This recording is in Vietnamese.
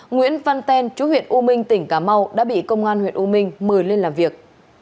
nguyễn văn ten chú huyện u minh tỉnh cà mau đã bị công an huyện u minh mời lên làm việc